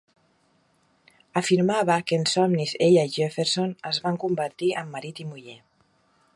Afirmava que en somnis, ella i Jefferson es van convertir en marit i muller.